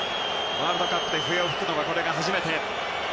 ワールドカップで笛を吹くのは初めて。